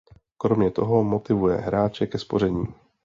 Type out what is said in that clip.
Kromě toho motivuje hráče ke spoření.